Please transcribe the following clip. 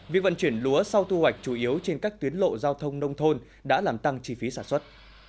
việc vận chuyển lúa sau thu hoạch chủ yếu trên các tuyến lộ giao thông nông thôn đã làm tăng chi phí sản xuất